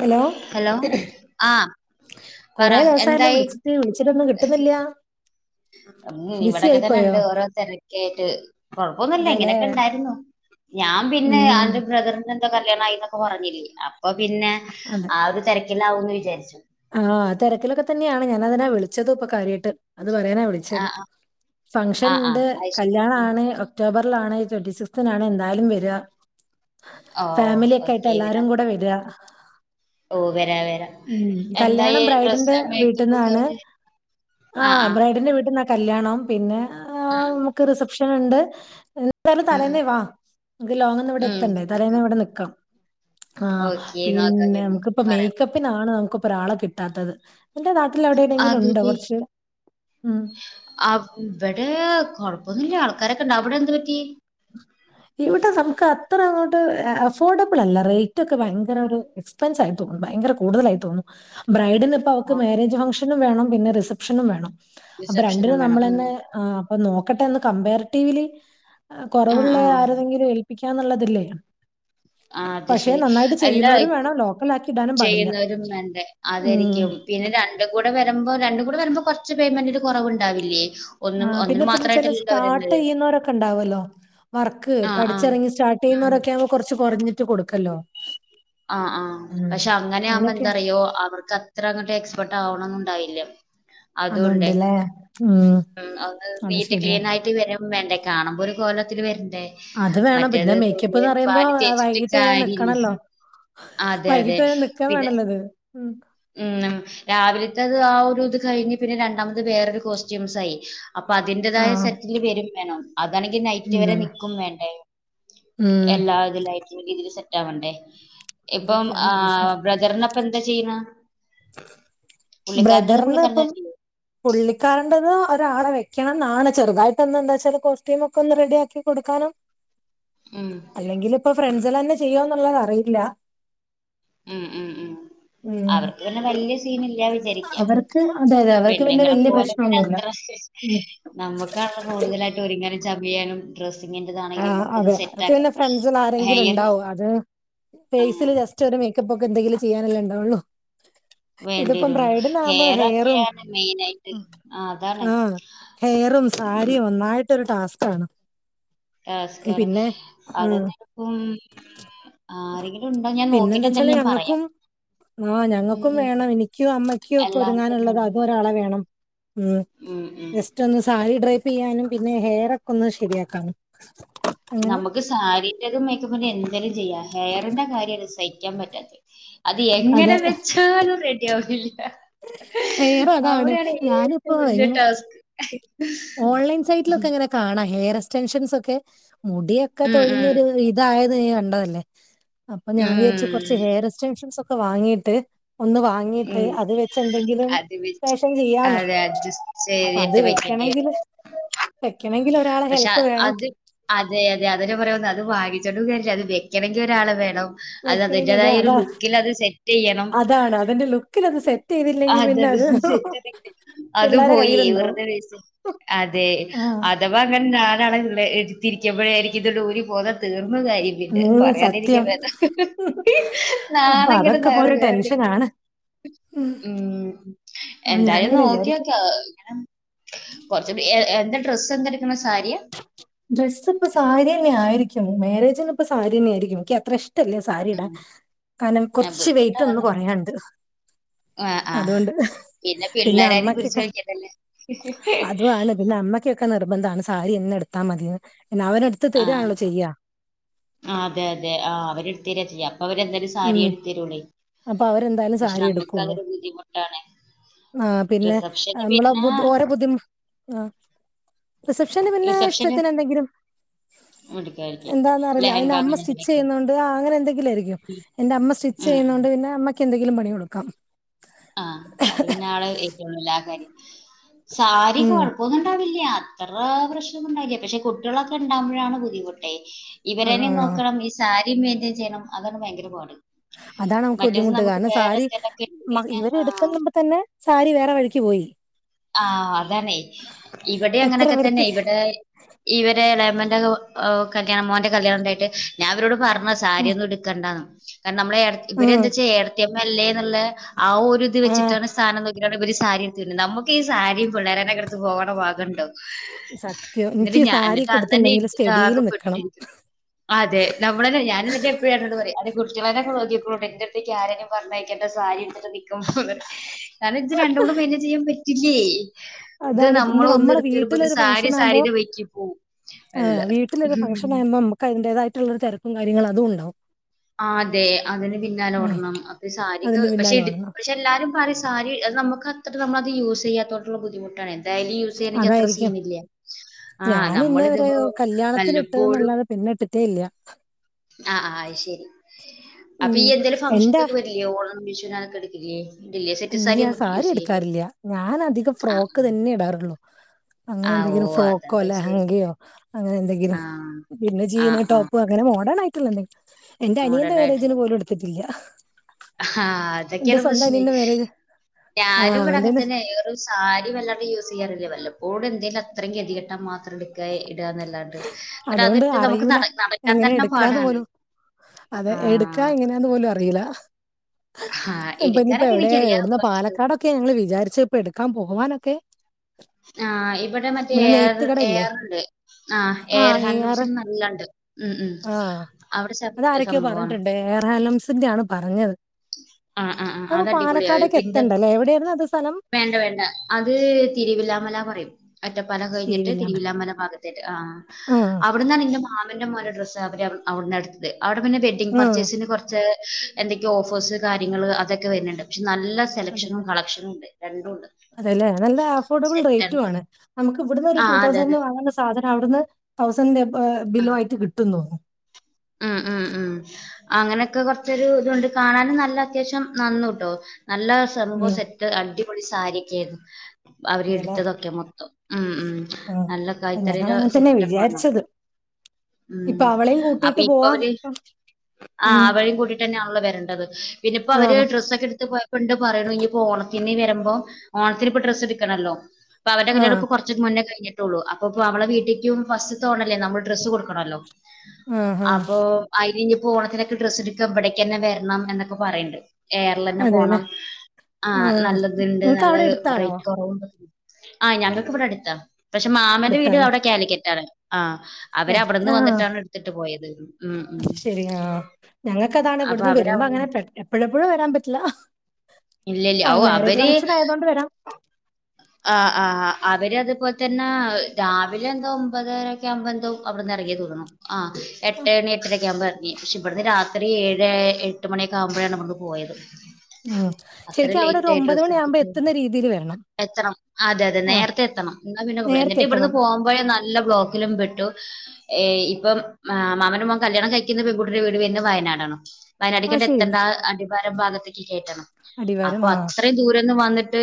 Hello hello ആഹ് പറ കൊറെ ദിവസായല്ലെ എന്തായി വിളിച്ച് വിളിച്ചട്ടൊന്നും കിട്ടുന്നില്ല ഉം ബിസി ഇവിടെക്കെ തന്നെ ആയിപ്പോയോ? ഉണ്ട് ഓരോ തിരക്ക ആയിട്ട് കൊഴപ്പൊന്നുംല്ല അതേല്ലേ? ഇങ്ങനെയൊക്കെ ണ്ടായിരുന്നു ഞാൻ പിന്നെ ഉം അന്റെ ബ്രദർ ന്നഎന്തോ കല്യാണമായി എന്നൊക്കെ പറഞ്ഞില്ലേ അപ്പൊ പിന്നെ അതെ. ആ ഒരു തിരക്കിലാവുന്ന് വിചാരിച്ച് ആഹ് തരക്കിലൊക്കെ തന്നെയാണ് ഞാനതിനാ വിളിച്ചതും ഇപ്പൊ കാര്യായിട്ട് അത് പറയാനാ വിളി ച്ചത് ആഹ് ആഹ് ആഹ് ഫംഗഷൻണ്ട് അത് ശരി കല്യാണാണ് ഒക്ടോബറിലാണ് ട്വന്റി സിക്ത്തിനാണ് എന്തായാലും വര ഓ ഫാമിലിക്കായിട്ട് ഓക്കെ എല്ലാരും വരാം കൂടെ വെര ഓ വരാ വരാ എ കല്യാണം ബ്രൈഡിന്റെ വീട്ടിന്നാണ് ആഹ് ബ്രൈ ഡിൻ്റെ വീട്ടിന്ന കല്ല്യാണം പിന്നെ ആഹ് ഉം നമ്മുക്ക് റിസപ്ഷന്ണ്ട് എന്താലും ഉം തലേന്നേവാ അൻക്ക് ലോങ്ന്ന് ഇവിടെ ഉം ഉം, എത്തണ്ടേ തലേന്നേ നോക്കാം ഇവിടെ നിൽക്കാം ആഹ് ഓക്കെ നോക്കാം പിന്നെ ഞാൻ നോക്കാം, നമുക്കിപ്പ പറയാം മേക്കപ്പ് പ്പിനാണ് നമുക്ക് പ്പൊരാളെ കിട്ടാത്തത് നിന്റെ നാട്ടിൽ അവിടെണ്ടങ്കിലും ഉണ്ടോ കുറച്ച് ഉം അ വിടെ കൊഴപ്പൊന്നില്ല ആൾക്കാരൊക്കെണ്ട് അവിടെ എന്ത് പറ്റി ഇവിടെ നമുക്ക് അത്ര അങ്ങോട്ട് അഫോർഡബിൾ അല്ല റേറ്റ് ഒക്കെ ഭയങ്കര ഒരു ക്ക സ്ഥലത്തും ഭയങ്കര കൂടുതലായി തോന്നും ബ്രൈഡിൻ ദ് പ്പവക്ക് ഓ, മാരേജ് ഫംഗ്ഷനും വേണം പിന്നെ റിസപ്ഷനും വേണം അപ്പൊ റിസപ്ഷനും രണ്ടിനും വേണം ഉം നമ്മളന്നെ ആ അപ്പൊ നോക്കട്ടെന്ന് കമ്പാരിറ്റീവ്ലി ആ കെറവുള്ളേ ആരെതെങ്കിലും ഏൽപ്പിക്കാന്നുള്ളതില്ലേ ആഹ് അത് പക്ഷെ ശരി നന്നായിട്ട് എല്ലാ [inaudible] ചെയ്യുന്നവരും വേണം ലോക്കൽ ആക്കി ഇടാനും പാടില്ല. ചെയ്യുന്നവരും വേണ്ടേ ഉം. ആതരിക്കും പിന്നെ രണ്ടു കൂടെ വരുമ്പോ രണ്ട് കൂടെ വരുമ്പോ കുറച്ച് പേയ്മെന്റിന് കുറവുണ്ടാവില്ലേ ആ പിന്നെപ്പന്താ ച്ചാല് സ്റ്റാർട്ട് ചെയ്യുന്നോരൊക്കെ ഉണ്ടാവല്ലോ വർക്ക് ആ ആ പഠിച്ചിറങ്ങി സ്റ്റാർട്ട് ഉം ചെയ്യുന്നവരൊക്കെ ആവുമ്പോ കുറച്ച് കുറഞ്ഞിട്ട് കൊടുക്കല്ലോ ആഹ്ആഹ് ഉം. പക്ഷെ അങ്ങനെ ആവുമ്പോ അങ്ങനെയൊക്കെ എന്താറയോ അവർക്ക് അ ത്ര ങ്ങട്ട് എക്സ്പേർട്ട് ആവണം ന്നു ഉണ്ടാവില്ല അതുംണ്ട് അതുണ്ടല്ലേ ഉം അത് നീറ്റ് ക്ലീൻ ആയിട്ട് വരും വേണ്ടേ കാണുമ്പോ ഒരു കോലത്തിൽ വര്ണ്ടേ അത് വേണം പിന്നെ മറ്റേത് മേക്കപ്പ് എന്ന് [unintelligible] പറയുമ്പോ ഭാരി തേച്ച് ട്ട് [unintelligible] വൈകീട്ട് വരെ നിക്ക വേണല്ലത് ഉം ഉം രാവിലത്തെ അത് ആ ഒരു ഇത് കഴിഞ്ഞ് പിന്നെ രണ്ടാമത് വേറൊരു കോസ്റ്റ്യൂംസ ആയി അപ്പൊ ആ അതിന്റേതായ സെറ്റില് വരും വേണം അതാണെങ്കിൽ നൈറ്റ് വരെ എന്താണ് നിക്കും വേണ്ടേ ഉം എല്ലാ ഇതിലറ്റ രീതിൽ സെറ്റ് ആവണ്ടേ ഇപ്പം അതൊക്കെയാണ് ആ പ്രശ്നം ബ്രദറിനപ്പ എന്താ ചെയ്യുന്ന പുള്ളിക്കാരൻ ബ്രദർന്ന്പ്പം തന്നെ ചെയ്യും പുള്ളിക്കാരണ്ടത് ഒരാളെ വെക്കണം എന്നാണ് ചെറുതായിട്ട്ന്നന്ത എന്താ വെച്ചാൽ കോസ്റ്റ്യൂം ഒക്കെ ഒന്ന് റെഡിയാക്കി കൊടുക്കാനും ഉം അല്ലെങ്കിൽ ഇപ്പൊ ഫ്രണ്ട്സൽ തന്നെ ചെയ്യുവന്നുള്ളത് അറിയില്ല ഉം ഉം ഉം ഉം അവർക്ക് പിന്നെ വലിയ സീൻ ഇല്ല വിചാരിക്കാം അവർക്ക് അതെ അതെ അവർക്ക് പിന്നെ പെണ്ണുങ്ങളെ വല്യ പോലെ പ്രശ്നമൊന്നുമില്ല. അത്ര ഉം. നമ്മുക്കണ കൂടുതലായിട്ട് ഒരുങ്ങനും ചമയാനും ആ ഡ്രസ്സിങ്ങിന്റെതാണെങ്കിലും ഒക്കെ ഒന്ന് അതെനമുക്ക് സെറ്റ് പിന്നെ ആക്കണം ഫ്രണ്ട്സിൽ ആരെങ്കിലും ഹെയർ ഉണ്ടാവോ അത് ആ ഫേസില് ജസ്റ്റ് ഒരു മേക്കപ്പ് ഒക്കെ എന്തെങ്കിലും ചെയ്യാനല്ലേ ഉണ്ടാവുള്ളോ വേണ്ടി ഇതിപ്പോം വരുള്ളൂ ബ്രൈഡിന ആകുമ്പോ ഹെയർ ഹെയറും ഒക്കെയാണ് മെയിൻ ആയിട്ട് ആ അതാണ് ആഹ ഹെയറും സാരിയും ഒന്നായിട്ടരു ടാസ്ക് ആണ് ടാസ്കാണ് ആ അതന്നപ്പം ആരെങ്കിലും ഉണ്ടോ ഞാൻ നോക്കിട്ട് എന്തായാലും ഞാൻ പറയാം ആഹ് ഉം ഞങ്ങൾക്കും ഉം വേണം എനിക്കോ അമ്മയ്ക്കോ ഒക്കെ എല്ലാർക്കും ഒരുങ്ങാനുള്ളത് വേണ്ട. അതും ഒരാളെ വേണം ഉ ഉം ഉം ജസ്റ്റ് ഒന്ന് സാരി ഡ്രൈ്പ് ചെയ്യാനും പിന്നെ ഹെയർ ഒക്കെ ഒന്ന് ശരിയാക്കാനും അങ്ങനെ നമുക്ക് സാരിൻ്റെ തും മേക്കപ്പിന്റെ എന്തേലും ചെയ്യാ ഹെയറിന്റെ കാര്യം സഹിക്കാൻ പറ്റാത്ത അത് അതെ എങ്ങനെ വെച്ചാലും റെഡി ആവില്ല ഉം ഹെയർ അതാണ് അവിടെയാണ് ഞാനിപ്പോ ഏറ്റവും വലിയ എങ്ങനെ ടാസ്ക് ഓൺലൈൻ സൈറ്റിലൊക്കെ എങ്ങനെ കാണാം ഹെയർ എസ്റ്റൻഷൻസ് ഒക്കെ മുടിയൊക്കെ ഉം ഉം തൊഴിഞ്ഞൊരു ഇതായത് നീ കണ്ടതല്ലേ അപ്പൊ ഞാൻ വിചരിച്ച കുറ ഉം ഹെയർ എ്ട്രൻഷൻസ് ഒക്കെ വാങ്ങിട്ട് ഒന്ന് വാങ്ങിട്ട് ഉം അത് വെച്ച് എന്തെങ്കിലും അത് വെച്ച് ശേഷം ചെയ്യാന്ന് അതെ അഡ്ജസ്റ്റ് അപ്പൊ അത് ചെയ്തിട്ട് വെക്കേണ്ടി വരും വെക്കണെങ്കില് വെക്കണമെങ്കിൽ ഒരാളെ പക്ഷെ ഹെൽപ്പ് അ- വേണം അത് അതെ അതെ അതെ പറയാന്ന് അത് വാങ്ങിച്ചോൊണ്ടും കാര്യംല്ല അത് വെക്കണമെങ്കിൽ ഒരാള് വേണം അത് വെക്കണെങ്കി അതിന്റേതായ ഒരു അതാ ലുക്കിൽ അത് സെറ്റ് ചെയ്യണം അതാണ് അതിന്റെ ലുക്കിൽത് സെറ്റ് ചെയ്തില്ലെങ്കിൽ അതതെ പിന്നെ അത് ബിസിനസ് അത് പിള്ളേരെ പോയി കയ്യിലുണ്ടാവും. വെറുതെ വേച്ച് അതെ ആഹ് അതവാ അങ്ങനെ ഞാനണള്ള എടുത്തിരിക്ക്പഴ ആയിരിക്കും ഇത് ഊരി പോന്ന തീർന്ന കാര്യം പിന്നെ ഉം പറയാനിരിക്കാ സത്യം. വേതം നാണം കെട്ട് നാറും വേറെ കനാന് ഉം അപ്പൊ എന്തായാലും ഞാനിങ്ങനെ വിചാരിക്കും നോക്കിയോക്കെ ഇങ്ങനെ കുറച്ചൂടി എന്താ ഡ്രസ്സ് എന്താ എടുക്കണ സാരിയ ഡ്രസ്സ് ഇപ്പ സാരി തന്നെ ആയിരിക്കും മേ രേജിന് ഇപ്പ സാരി തന്നെയായിരിക്കും എനിക്ക് അത്ര ഇഷ്ടല്ല സാരി സാരിടാ ഉം കാരണം ആഹ് കൊറച്ച് വെയിറ്റ് ഒന്ന് കൊറയാണ്ട് ആ ആഹ പിന്നെ പിള്ളേരെ ആരും പിടിച്ച് വലികണ്ടല്ലോ അതുമാണ് പിന്നെ അമ്മയ്ക്കൊക്കെ നിർബന്ധണ് സാരി എന്നെ എടുത്താൽ മതിയന്ന് പിന്നെ അവനടുത്ത് തരിയാണല്ലോ ചെയ്യാ ആ അതെ അതെ ആ അവര് എടുത്ത് തരിയാ ചെയ്യാം അപ്പ അവരെന്താലും സാരി ഉം എടുത്തേരോള് അപ്പൊ അവരെന്തായാലും പക്ഷെ നമ്മുക്ക് അതൊരു ബുദ്ധിമുട്ടാണ് ആഹ് പിന്നെ റിസപ്ഷന് നമ്മള് പിന്നെ ഓരോ ബുദ്ധിമു ആ റിസെപ്ഷന് പിന്നെ ഇഷ്ട റിസപ്ഷന് ത്തി നെന്തെങ്കിലും എടുക്കായിരിക്കും എന്താന്നറിയില്ല ലെഹങ്ക അതിന് അമ്മ അങ്ങനെ സ്റ്റിച്ച് എന്തിനൊക്കെ ചെയ്യുന്നോണ്ട് അങ്ങനെ എന്തെങ്കിലും ആയിരിക്കും ന്റെ അമ്മ സ്റ്റിച്ച് ഉം ചെയ്യുന്നോണ്ട് പിന്നെ അമ്മയ്ക്ക്ന്തെങ്കിലും പണി കൊടുക്കാം ആഹ് അത് പിന്നെ ആള് ഏറ്റവും നല്ല ആ കാര്യം ഉം സാരികൊഴ പ്പൊന്നും ഇണ്ടാവില്ല അത്ര പ്രശ്നൊന്നു ണ്ടാവില്ല പക്ഷെ കുട്ടികളൊക്കെ ഉണ്ടാവുമ്പോഴാണ് ബുദ്ധിമുട്ടേ ആ ഇവരനേം ആ നോക്കണം ഈ സാരിയും മെയ്ന്റെയ്ൻ ചെയ്യണം അതാണ് ഭയങ്കര പാട് അതാണ് നമുക്ക് മറ്റേത് ബുദ്ധിമുട്ട് നമുക്ക് കാരണം വേറെ സാരി എന്തെലൊക്കെ ഇട്ട് മ കഴിഞ്ഞാൽ ഇവരെ ആഹ് എടുക്കുന്നുമ്പതന്നെ സാരി വേറെ വഴിക്ക് പോയി ആഹ് അതാണ് ഇവിടെ എത്ര അങ്ങനെയൊക്കെ വൃത്തി തന്നെ ഇവിടെ ഇവരെ എളേമന്റെ കല്യാണം മോന്റെ കല്യാണം ഉണ്ടായിട്ട് ഞാൻ ഇവരോട് പറഞ് ഉം സാരിയൊന്നും ഇടുക്കണ്ടന്ന് കാരണം നമ്മളെ ഇവര് ഉം എന്താച്ചാ ഏട്ടത്തിയമ്മ അല്ലേ എന്ന്ള്ള ആ ഒരുത് ആഹ് വെച്ചിട്ടാണ് സ്ഥാനം നോക്കയിട്ടാണ് ഇവര് സാരി എടുത്തെര്ക്ക്ന്ന് നമു ക്കി ഈ സാരിം പിള്ളേരനൊക്കെടുത്ത് പോകണ ഭാഗണ്ടോ സത്യം എന്നിട്ട് എനിക്ക് ഞാൻ സാരി എന്നിട്ട് ഒക്കെ അതെന്നെ ഉടുത്തിണ്ടെങ്കില് ഇട്ടിട്ട് സ്റ്റെഡിയില് ആകെ നിക്കണം പെട്ട് അതെ നമ്മളെന്നെ ഞാന് എന്നിട്ട് അപ്പം ഏട്ടനോട് പറയും കുട്ടിയോളെ നോക്കിക്കൊണ്ട് എന്റെറ അട്ത്തേക്ക് ആരെയും പറഞ്ഞ് അയക്കണ്ട സാരി ഉടുത്തിട്ട് കാരണം ഇച്ച് ഇത് രണ്ടും കൂടെ മെയ്ന്റെയ്ൻ ചെയ്യാൻ പറ്റില്ലായ് ഇത് അതാണ് നമ്മൾ പിന്നെ ഒന്ന് നമ്മളെ എടുത്ത് വരുമ്പോത്തിന് വീട്ടിലൊരു സാരി ഫംഗ്ഷൻ ആകുമ്പോ സാരി വെയ്ക്കി പോവും അല്ല ഹും ഒക്കെ അയിന്റെതായിട്ടുള്ള തിരക്കും കാര്യങ്ങളും അതും ഉണ്ടാവും അതെ അതിന് പിന്നാലെ ഉം ഓടണം അപ്പൊ സാരിക്കെ അതിന്റെ പഷേ പിന്നാലെ [unintelligible] ഓടണം പക്ഷെ എല്ലാരും പറിം സാരി നമുക്ക് അത്ര നമ്മളത് യൂസ് ചെയ്യാത്തോട്ടുള്ള ബുദ്ധിമുട്ട് ട്ടാണ് ഡയലി യൂസ് ചെയ്യണെങ്കിൽ അത്ര അതായിരിക്കും സീനില്ല ആഹ് ഞാൻ ഇന്നേ വരെ നമ്മളിതിപ്പോ കല്യാണത്തിന് ഇട്ടത് വല്ലപ്പോഴും ന്നല്ലാതെ പിന്നെ ഇട്ടിട്ടേ ഇല്ല ആ അയ് ശരി അപ്പൊ ഉം ഈ എന്തേലും എന്റെ ഫംഗ്ഷനൊക്കെ വരില്ലേ ഓണം വിശുനൊക്കെ എട്ക്കില്ലേ ഇല്ല സാരി എടുക്കാറില്ല ഞാൻ അധികം ആഹ് ഫ്രോക്ക് തന്നെ ഇടാറുള്ളൂ അങ്ങനെ ആഹ് ഓ എന്തെങ്കിലും ഫ്രോക്കോ അതാണ് വിഷയം ലഹങ്കയോ അങ്ങനെ എന്തെങ്കിലും ആഹ് പിന്നെ ജീന് ആഹ് ആഹ് ടോപ്പ് അങ്ങനെ മോഡേണായിട്ടുള്ള എന്തേലും എന്റെ അനിയന്റെ മോഡേൺ ആയിട്ടുള്ള മേരെജിന് പോലും എട്ത്തിട്ടില്ല ആഹ് എന്റെ അതൊക്കെയാണ് സ്വന്തം പ്രശ്നേ അനിയന്റെ മേരേ ആഹ് ഞാനും ഇവിടെ അവൻ അങ്ങനെ തന്നെ സാരി വല്ലാണ്ടെ യൂസ് ചെയ്യാറില്ല വല്ലപ്പോഴും എന്തെേലും അത്രയും ഗതി കെട്ടം മാത്രം എടുക്ക ഇട ന്നല്ലാതെ ഇട്ടാണ് ഇന്നട്ട് അതുകൊണ്ട് അതിട്ട് നമുക്ക് അറിയൂല നടക്കാൻ എങ്ങനെ പറ്റാണ്ടെന്നെ എടുക്കാന്ന് പാടാണ് പോലും അതെ എടുക്കാ ആഹ് എങ്ങനെയാന്ന് പോലും അറിയില്ല ആഹ് ഇപ്പോ ഇന്നിപ്പോ എടുക്കാനൊക്കെ എവിടെ എനിക്കറിയാം എവിടെന്ന കുറച്ച് പാലക്കാടൊക്കെ ഞങ്ങള് വിചാരിച്ചേ ഇപ്പ എടുക്കാൻ പോവാനൊക്കെ ആ ഇവിടെ മറ്റേ നമ്മളെ എ ആർ നെയ്ത്ത് കട ഇല്ലേ ഏയാറുണ്ട് ആ എയർ ആഹ് എ ആർ ഹാൻഡ്ലൂസിലും നല്ലണ്ട് ഉം ഉം അവിടെ സംഭവാണ് എ ആർ ഹലംസിന്റെ ആണ് പറഞ്ഞത് ആഹ് ആഹ് ആഹ് അത് ഇപ്പം അടിപൊളിയാ പാലക്കാടേക്ക് ഇപ്പന്റെ എത്തണ്ടല്ലേ എവിടൊയായിരുന്നു അത് സ്ഥലം വേണ്ട വേണ്ട അത് തിരുവിലാമല പറയും ഒറ്റപ്പാലം കഴിഞ്ഞിട്ട് തിരുവില്ലാമല തിരുവിലാമല ഭാഗത്തേറ്റ് ആഹ് ആഹ് അവിട്ന്നാണ് എന്റെ മാമന്റെ മോന്റെ ഡ്രസ്സ് അവര് അവിടുന്നട്ത്തത് അവിടെ പിന്നെ വെഡ്ഡിംഗ് ആഹ് പർച്ചേയ്സിന് കുറച്ച് എന്തൊക്കെയേ ഓഫേഴസ് കാര്യങ്ങള് അതൊക്കെ വരുന്നുണ്ട് പക്ഷെ നല്ല സെലക്ഷനും അതലെ കളക്ഷനും ഉണ്ട് രണ്ടും ഉണ്ട് അതെല്ലേ നല്ല അഫോർഡബിൾ റേറ്റും സെറ്റാണ് ആണ് നമുക്ക് ഇവിടുന്ന് ഒരു ടു ആഹ് അതെ അതെ തൗസൻഡ് വാങ്ങ സാധനം അവിടുന്ന് തൗസൻണ്ട് റിന്റെ ആഹ് ബിലോ ആയിട്ട് കിട്ടും തോന്നുന്നു ഉം ഉം ഉം അങ്ങനെയൊക്കെ കുറചൊരു ഇത് കൊണ്ട് കാണാനും നല്ല അത്യാവശ്യം നന്നുട്ടോ നല്ല സംഭവ ഉം സെറ്റ് അടിപൊളി സാരിയൊക്കെ ആയിരുന്നു അവരെ അതെല്ലേ എടുത്തതൊക്കെ മൊത്തം ഉം ഉം ഉം നല്ല ആ ഞങ്ങൾ കൈത്തറിയുടെ അങ്ങനെ തന്നെ സെറ്റപ്പാണ് അവിടെ വിചാരിച്ചത് ഇപ്പ ഉം അവളേയും കൂട്ട അപ്പൊ കൂട്ടിട്ട് ഇപ്പൊ പോവാ അവര് ആഹ് അവഴേ കൂട്ട്ന്നാണല്ലോ വരേണ്ടത് പിന്നെപ്പൊ അവര് ആഹ് ഡ്രസ്സ് ഒക്കെ എടുത്ത് പോയപ്പോ ഇണ്ട് പറയുന്നെ ഇഞ്ഞ് ഓണത്തിന് വരുമ്പോ ഓണത്തിന് ഇപ്പൊ ഡ്രസ്സ് എടുക്കണല്ലോ അപ്പൊ അവരുടെ കല്യാണം ആഹ് കുറച്ച് - കുറച്ച് മുന്നേ കഴിഞ്ഞിട്ടുള്ളൂ അപ്പോ ഇപ്പൊ അവളുടെ വീട്ടേക്കും ഫസ്റ്റ് ത്തെ ഓണമല്ലേ അപ്പോ നമ്മൾ ഡ്രസ്സ് കൊടുക്കണമല്ലോ ആഹ് ആഹ് അപ്പൊ അതിന് ഇനിപ്പോ ഓണത്തിനൊക്കെ ഡ്രസ്സ് എടുക്ക ഇവിടേക്ക്‌ തന്നെ വരണം എന്നൊക്കെ പറയണ്ട് എ ആ റിൽ തന്നെ അതെല്ലേ പോണം ആ ആഹ്. നല്ല ഇതുണ്ട് നിങ്ങക്ക് നല്ല അവിടെ അടുത്താണോ? റേറ്റ് കുറവുണ്ട് ആഹ് ഞങ്ങൾക്ക് ഇവിടെ അടുത്താ പക്ഷെ മാമന്റെ വീട് അടുത്താല്ലേ അവിടെ കാലിക്കറ്റാണ് ആഹ് അവര് അവിടുന്ന് വന്നിട്ടാണ് എടുത്തിട്ട് പോയത് ഉം ഉം ശരിയാ ഞങ്ങക്കതാണ് അപ്പൊ ഇവിടുന്ന് അവര് വരുമ്പൊ അവിടുന്ന് അങ്ങനെ പെ എപ്പഴെപ്പഴും വരാൻ പറ്റില്ല ഇല്ലില്ല ഔ ആഹ് മാരേജ് അവര് ഫംങ്ഷൻ ആയതോണ്ട് വരാം ആഹ് ആഹ് അവര് അതുപോലെ തന്നെ രാവിലെ എന്തോ ഒമ്പതരൊക്കെ ആവുമ്പോ എന്തോ അവിടുന്ന് ഇറങ്ങീന്ന് തോന്നണു ആഹ് എട്ട് എണി എട്ടരക്കെ ആകുമ്പോ എറങ്ങി പക്ഷെ ഇവിടുന്ന് രാത്രി ഏഴ് എട്ട് മണിയൊക്കെ ആവുമ്പഴാണ് ഇവിടുന്ന് പോയത് ഉം അത്ര ശരിക്ക്‌ അവിടെ ഒരു ലേറ്റ് ആയി ഒമ്പത് ഡ്രസ്സ് മണി ആവുമ്പൊ എടുത്തിട്ട് എത്തുന്ന രീതില് വേണം എത്തണം അതെ അതെ നേരത്തെ എത്തണം എന്ന പിന്നെ [unintelligible] നേരത്തെ എന്നിട്ട് എത്തണം. ഇവിടുന്ന് പോകുമ്പഴേ നല്ല ബ്ലോക്കിലും പെട്ടു ഏഹ് ഇപ്പം മാ മാമന്റെ മോൻ കല്യാണം കഴിക്കുന്ന പെൺകുട്ടിയുടെ വീട് വരുന്നെ വയനാടാണ് ആഹ് വയനാട്ടിക്കണ്ട് ശരി എത്തെണ്ടാ അടിവാരം ഭാഗത്തേക്ക് കേറ്റണം അടിവാരം അപ്പൊ അ ആഹ് ത്രയും ദൂരേന്ന് വന്നിട്ട്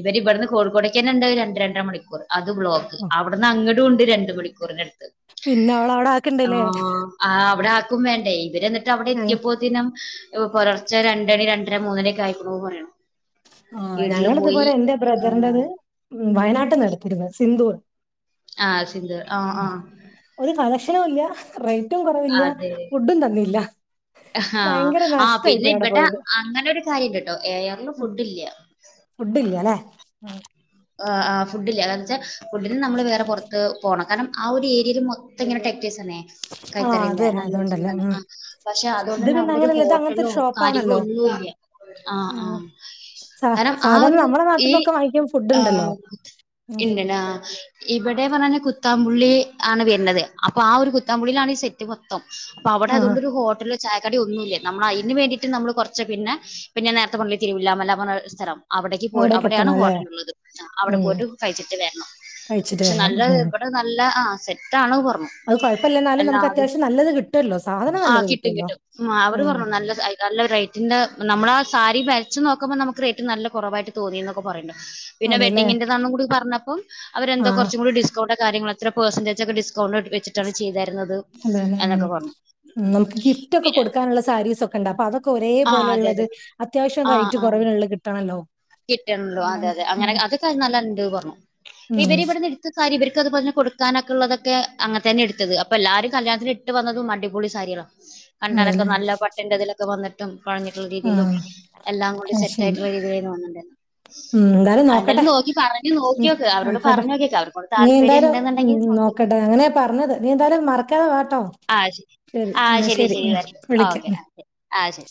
ഇവരി ഇവിടുന്ന് കോഴിക്കോട്ടേക്ക് തന്നെണ്ട് രണ്ട് രണ്ടര മണിക്കൂറ് അത് ബ്ലോക്ക് ഓഹ് അവിടുന്ന് അങ്ങടും ഉണ്ട് രണ്ടു മണിക്കൂറിനടുത്ത് പിന്നെ അവള അവിടെ ആക്ക്ണ്ടല്ലേ ആഹ് ആഹ് അവിടെ ആക്കും വേണ്ടേ ഇവര് എന്നിട്ട് അവിടെ ഞങ്ങ എത്തിയപ്പോത്തിനം ഇപ്പ പുലർച്ച രണ്ടണി രണ്ടര മൂന്നുമണീക്ക ആയിക്കണൂന്നു പറയണു ആഹ് വീട്ടില് ഞങ്ങള് പോയി ഇതുപോലെ എന്റെ ആ ബ്രദറിന്റത് ഉം വയനാട്ടിന്ന എടുത്തിരുന്നത് സിന്ദൂർ ആഹ് സിന്ദൂറ് ആഹ് ആഹ് ഒരു കളക്ഷനും ഇല്ല റേറ്റും കുറവില്ല ഫുഡും തന്നില്ല ആഹ് ഭയങ്കര ആഹ് നഷ്ടായി പിന്നെ പോയി അവിടെ ഇവിടെ പോയത് അങ്ങനൊരു കാര്യിണ്ട്ട്ടൊ ഏ ആറില് ഫുഡ്ഡില്ല ഫുഡ് ഇല്ല്യാല്ലേ ആഹ് ആഹ് ഫുഡില്ല കാരണം വെച്ചാൽ ഫുഡിന് നമ്മള് വേറെ പുറത്ത് പോണം കാരണം ആ ഒരു ഏരിയേല് മൊത്തം ഇങ്ങനെ ടെക്ടേഴ്സ് തന്നെ ആഹ് അത് കൈത്തറിന്റെ തന്നെ [unintelligible] അതുകൊണ്ടല്ലേ തന്നെ ഉം ആഹ് പക്ഷെ ഇത് അതുകൊണ്ട്ന്നെ പിന്നെ അവിടെ ഒരു അങ്ങനെയല്ല ഇത് അങ്ങനത്തെ ഹോട്ടലോ ഒരു കാര്യങ്ങളോ ഷോപ്പാണല്ലോ ഒന്നു ഇല്ല ആഹ് ആഹ് സ സാധാരണ നമ്മടെ നാട്ടിന്നൊക്കെ വാങ്ങിക്കുമ്പോ ഫുഡ് ഉണ്ടല്ലോ ആഹ് ഉം ഇന്റനാ ഇവിടെ പറഞ്ഞാല് കുത്താംപുള്ളി ആണ് വരണത് അപ്പൊ ആ ഒരു കുത്താംമ്പുള്ളിയിലാണ് സെ റ്റ് മൊത്തം അപ്പൊ അവിടെ ആഹ് അതോണ്ടൊരു ഹോട്ടലോ ചായക്കട യോ ഒന്നുല്ല നമ്മളയ്ന് വേണ്ടീട്ട് നമ്മള് കുറച്ച് പിന്നെ പിന്നെ നേരത്തെ പറഞ്ഞില്ലെ തിരുവില്ലാമല്ല പറഞ്ഞ സ്ഥലം അവിടേക്ക് പോയി അവിടെയാണ് എത്തണം അല്ലേ ഹോട്ടലുള്ളത് അവിടെ ഉം പോയിട്ട് കഴിച്ചിട്ട് വരണം കഴിച്ചിട്ട് പക്ഷെ വരണം നല്ല ഉം ഇവിടെ നല്ല ആഹ് സെറ്റ് ആണ് പറഞ്ഞു അത് കുഴപ്പല്ല എന്നാലും നമുക്ക് എല്ലാതും അത്യാവശ്യം നല്ലത് കിട്ടുവല്ലോ സാധനം ആഹ് നല്ലത് കിട്ടും കിട്ടുവല്ലോ കിട്ടും അഹ് അവര് ആഹ് പറഞ്ഞു നല്ല സായ് നല്ല റേറ്റിന്റ നമ്മളാ ആ സാരി വരച്ച് നോക്കുമ്പം നമുക്ക് റേറ്റ് നല്ല കുറവായിട്ട് തോന്നീന്നൊക്കെ പറയും പിന്നെ അതെല്ലേ വെഡിങ്ങിന്റെതാന്നും കൂടി പറഞ്ഞപ്പം അവരെന്തൊ ആഹ് കുറച്ചും കൂടി ഡിസ്‌ കൗണ്ട് കാര്യങ്ങള് എത്ര പേഴ്സൻന്റെജ് ഒക്കെ ഡിസ്കൗണ്ട് ഇട്ട് വെച്ച് അതേലേ ഉം നിങ്ങൾക്ക് ഗിഫ്റ്റ് ഒക്കെ പിന്നെ കൊടുക്കാനുള്ള സാരീസൊ ക്കെണ്ട് അപ്പൊ അതൊക്കെ ആ ഒരേപോലെ അതെ ഇള്ളത് അതെ അത്യാവശ്യം ആ റേറ്റ് ആ കുറവിനൊള്ള കിട്ടണല്ലോ കിട്ടണല്ലോ അതെ അതാണ് അതെ അങ്ങനെ ഉം അതൊക്കെ നല്ല ഇണ്ട് പറഞ്ഞു ഉം ഇവര് ഇവിടെന്ന് ഇട് ത്തസാരി ഇവരിക്ക് അതുപോലെന്നെ കൊടുക്കാനൊക്കെള്ളതൊക്കെ അങ്ങന തന്നെ എടുത്തത് അപ്പ എല്ലാരും കല്യാത്തിന് ഇട്ട് വന്നതും അടിപൊളി സാരികളാ [unintelligible] കണ്ടാലൊക്കെ നല്ല പട്ടിന്റെ ഇതിലൊക്കെ വന്നിട്ടും കുഴഞ്ഞിട്ടുള്ള രീതീലും ആഹ് എല്ലാംകൂടി അത് സെറ്റ് ശരി ആയിട്ടിള്ള രീതിയിലാര്ന്ന് വന്നിണ്ടാരുന്ന് ഉം എന്തായാലും നോക്കട്ടെ അതെന്തായാലും നോക്കി പറഞ്ഞു ഉം നോക്കിയോക്ക് അവരോട് ആയിക്കോട്ടെ പറഞ്ഞു നോക്കിയേക്ക് അവർക്കൂടി ‌ താല്പര്യം ഇണ്ടെന്നിണ്ടെങ്കി നോ‌ക്കി ക്കട്ടെ അങ്ങനെയാ പറഞ്ഞത് നീ എന്തായാലും മറക്കാതെ വാട്ടോ ആ ശരി ശെരി എന്ന ശെരി ഉം വിളിക്കാം. ആഹ് ശെരി.